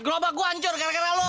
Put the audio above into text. gelombang gua ancur karena karena lu